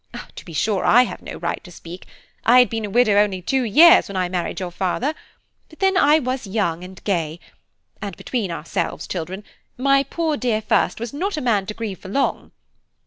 To be sure, I have no right to speak; I had been a widow only two years when I married your father; but then I was young and gay, and between ourselves, children, my poor dear first was not a man to grieve for long.